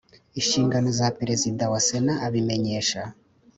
inshingano ze Perezida wa Sena abimenyesha